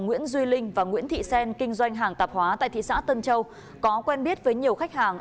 nguyễn duy linh và nguyễn thị xen kinh doanh hàng tạp hóa tại thị xã tân châu có quen biết với nhiều khách hàng